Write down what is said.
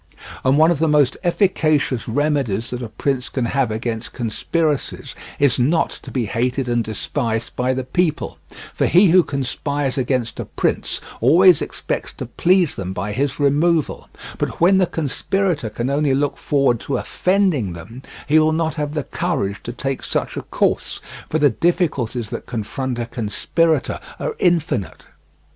And one of the most efficacious remedies that a prince can have against conspiracies is not to be hated and despised by the people, for he who conspires against a prince always expects to please them by his removal; but when the conspirator can only look forward to offending them, he will not have the courage to take such a course, for the difficulties that confront a conspirator are infinite.